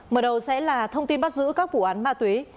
mở đầu sẽ là thông tin bắt giữ các vụ án ma túy